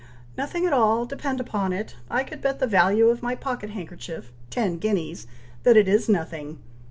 "Nothing at all, depend upon it! I could bet the value of my pocket handkerchief, ten guineas, that it is nothing.